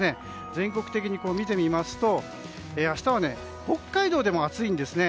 全国的に見てみますと明日は北海道でも暑いんですね。